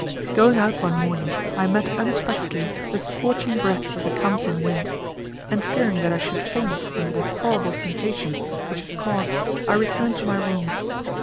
Going out one morning I met unexpectedly the scorching breath of the kamsin wind, and fearing that I should faint under the horrible sensations which it caused, I returned to my rooms.